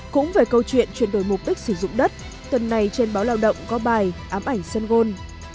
cũng về câu chuyện chuyển đổi mục đích sử dụng đất tuần này trên báo lao động có bài ám ảnh sân gôn